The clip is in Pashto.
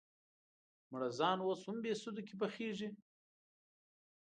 مړزان اوس هم بهسودو کې پخېږي؟